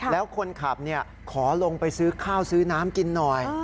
แล้วคนขับขอลงไปซื้อข้าวซื้อน้ำกินหน่อย